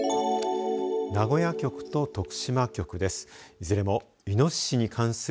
名古屋局と徳島局です。